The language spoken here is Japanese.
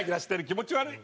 気持ち悪い。